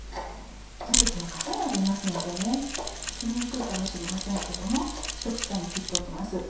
キャベツはかさがありますので切りにくいかもしれませんがけども一口大に切っておきます。